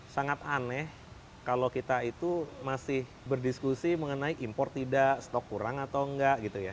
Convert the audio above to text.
sangat aneh kalau kita itu masih berdiskusi mengenai impor tidak stok kurang atau enggak gitu ya